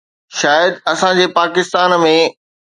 شايد اسان جي پاڪستان ۾